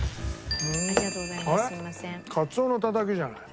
カツオのタタキじゃない。